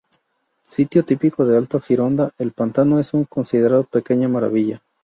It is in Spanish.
Sitio típico del Alto Gironda, el pantano es una considerado pequeña maravilla.